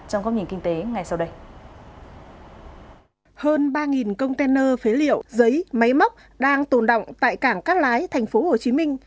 hơn ba container phế liệu giấy máy móc đang tồn động tại cảng cát lái tp hcm